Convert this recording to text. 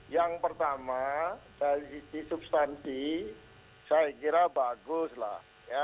yang pertama dari sisi substansi saya kira bagus lah